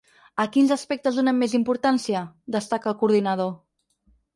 A quins aspectes donem més importància? destaca el coordinador.